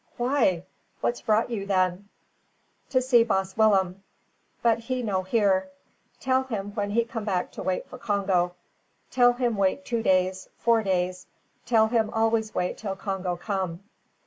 "Why! What's brought you, then?" "To see baas Willem; but he no here. Tell him when he come back to wait for Congo. Tell him wait two days, four days, tell him always wait till Congo come."